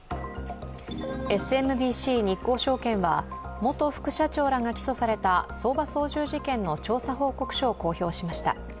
ＳＭＢＣ日興証券は、元副社長らが起訴された相場操縦事件の調査報告書を公表しました。